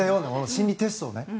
心理テストをね。